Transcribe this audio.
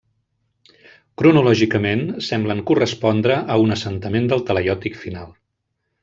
Cronològicament semblen correspondre a un assentament del talaiòtic final.